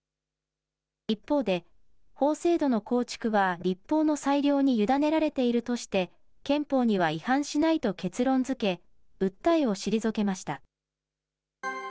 一方で、法制度の構築は立法の裁量に委ねられているとして、憲法には違反しないと結論づけ、訴えを退けました。